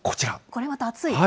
これまたあつい。